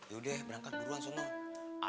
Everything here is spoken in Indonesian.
yaudah berangkat duluan semua